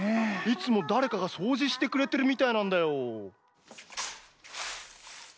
いつもだれかがそうじしてくれてるみたいなんだよ。